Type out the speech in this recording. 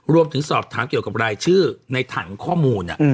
รวมถึงสอบถามเกี่ยวกับรายชื่อในถังข้อมูล